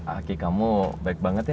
aki kamu baik banget ya